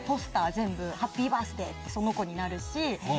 全部ハッピーバースデーってその子になるし。